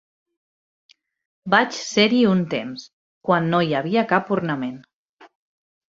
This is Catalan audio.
Vaig ser-hi un temps, quan no hi havia cap ornament...